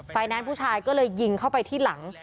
แนนซ์ผู้ชายก็เลยยิงเข้าไปที่หลัง